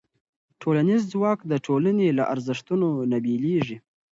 ټولنیز ځواک د ټولنې له ارزښتونو نه بېلېږي.